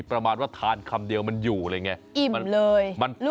ประมาณว่าทานคำเดียวมันอยู่เลยไงอิ่มเลยลูกเดียวอยู่